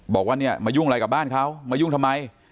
บอกว่าเนี่ยมายุ่งอะไรกับบ้านเขามายุ่งทำไม